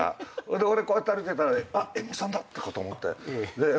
俺こうやって歩いてたらあっ柄本さんだって思って。